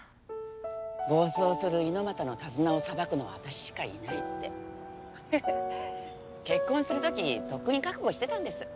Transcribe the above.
暴走する猪俣の手綱をさばくのは私しかいないってフフッ結婚するときとっくに覚悟してたんです